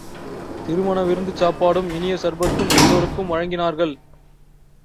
திருமண விருந்துச் சாப்பாடும் இனிய சர்பத்தும் எல்லோருக்கும் வழங்கினார்கள்.